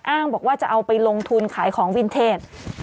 อ้างบอกว่าจะเอาไปลงทุนขายของวินเทจ